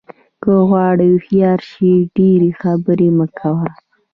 که غواړې هوښیار شې ډېرې خبرې مه کوه.